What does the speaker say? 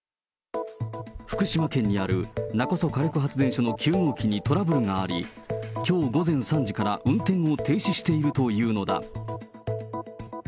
福島県にある勿来火力発電所の９号機にトラブルがあり、きょう午前３時から運転を停止しているというのだ。